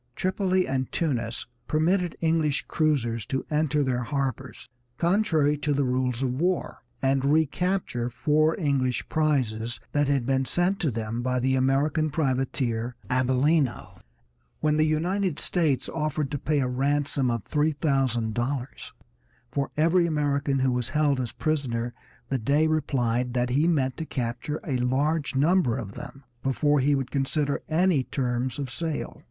Tripoli and Tunis permitted English cruisers to enter their harbors, contrary to the rules of war, and recapture four English prizes that had been sent to them by the American privateer Abellino. When the United States offered to pay a ransom of three thousand dollars for every American who was held as a prisoner the Dey replied that he meant to capture a large number of them before he would consider any terms of sale.